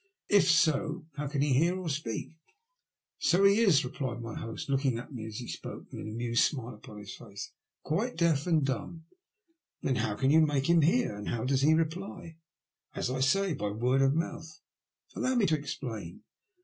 '* If so, how can he hear or speak ?"So he is," replied my host, looking at me as he spoke, with an amused smile upon his face. " Quite deaf and dumb." Then how can yon make him hear. And how does he reply ?" ''As I say, by word of mouth. Allow me to explain.